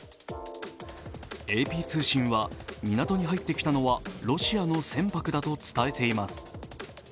ＡＰ通信は、港に入ってきたのはロシアの船舶だと伝えています。